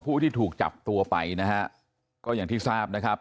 ผู้ที่ถูกจับตัวไปนะฮะก็อย่างที่ทราบนะครับ